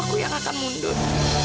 aku yang akan mundur